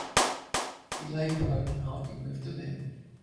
He lay prone and hardly moved a limb.